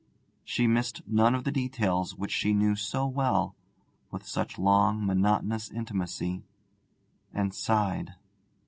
She missed none of the details which she knew so well, with such long monotonous intimacy, and sighed.